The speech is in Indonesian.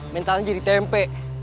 mentalnya jadi tempe